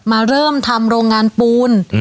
มาเริ่มทำโรงงานปูน